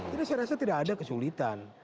jadi saya rasa tidak ada kesulitan